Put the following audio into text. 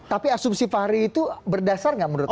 tapi asumsi fahri itu berdasar nggak menurut anda